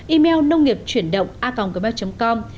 email nông nghiệp chuyển động a gmail com